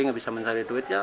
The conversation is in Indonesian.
nggak bisa mencari duit